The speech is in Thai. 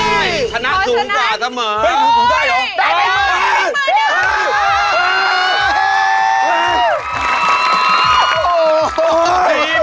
สุโคไทยครับสุโคไทยครับสุโคไทยครับ